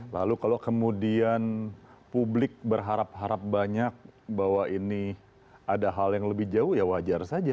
lalu kalau kemudian publik berharap harap banyak bahwa ini ada hal yang lebih jauh ya wajar saja